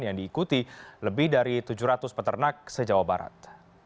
yang diikuti lebih dari tujuh ratus peternak sejauh barat